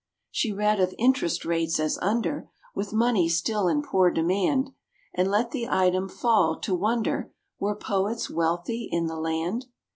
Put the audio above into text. She read of "interest rates as under, With money still in poor demand," And let the item fall, to wonder Were poets wealthy in the land.